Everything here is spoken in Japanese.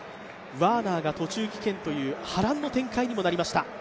ワーナーが途中棄権という波乱の展開にもなりました。